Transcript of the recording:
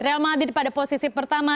real madrid pada posisi pertama